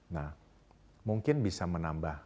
nah mungkin bisa menambah